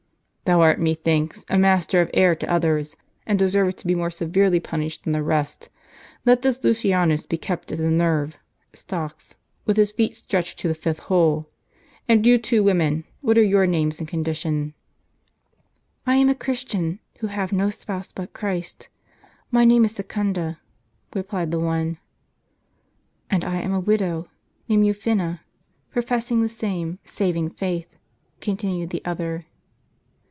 * "Thou art, methinks, a master of error to others, and deservest to be more severely punished than the rest. Let this Lucianus be kept in the nerve (stocks) with his feet * Acts of St. Justin. Ruinart, p. 129. stretched to the fifth hole.* — And you two women, what are your names and condition?" " I am a Christian, who have no spouse but Christ. My name is Secunda," replied the one. "And I am a widow, named Eufina, professing the same savdng faith," continued the other.